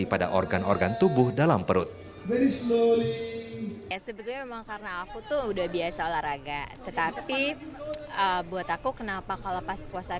sebetulnya memang karena aku tuh udah biasa olahraga tetapi buat aku kenapa kalau pas puasa